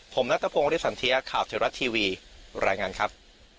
ผมนักตะโพงออริภสันเทียข่าวเทราะทีวีรายงานครับ